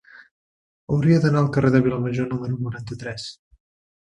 Hauria d'anar al carrer de Vilamajor número noranta-tres.